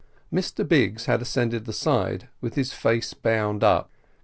Mr Biggs had ascended the side with his face bound up.